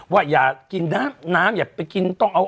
มาจากปั๊มน้ำมัน